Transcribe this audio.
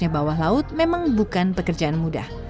bawah laut memang bukan pekerjaan mudah